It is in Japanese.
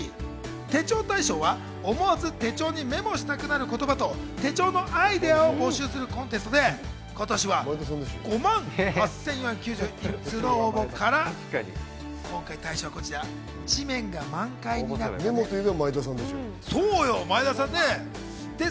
手帳大賞は思わず手帳にメモしたくなる言葉と手帳のアイデアを募集するコンテストで、今年は５万８４９１通の応募から、大賞は「地面が満開になったね！」です。